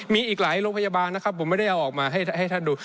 มีอีกหลายโรงพยาบาลนะครับผมไม่ได้เอาออกมาให้ท่านดู